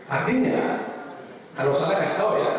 artinya kalau salah kasih tahu ya